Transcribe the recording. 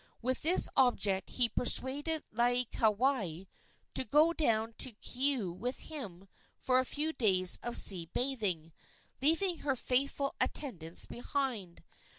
With this object he persuaded Laieikawai to go down to Keaau with him for a few days of sea bathing, leaving her faithful attendants behind.